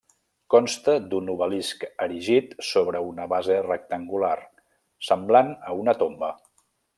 Consta d'un obelisc erigit sobre una base rectangular, semblant a una tomba.